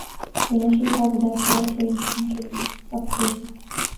The initial cause of death for all three has been attributed to suffocation.